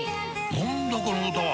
何だこの歌は！